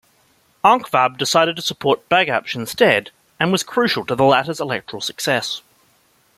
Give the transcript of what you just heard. Ankvab decided to support Bagapsh instead and was crucial to the latter's electoral success.